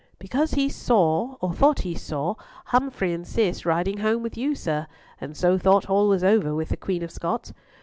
"Because he saw, or thought he saw, Humfrey and Cis riding home with you, sir, and so thought all was over with the Queen of Scots.